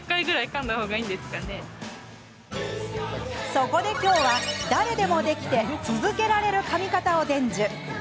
そこで今日は誰でもできて続けられる、かみ方を伝授。